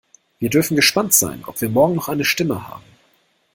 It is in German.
Wir dürfen gespannt sein, ob wir morgen noch eine Stimme haben.